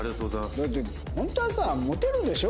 だってホントはさモテるでしょ。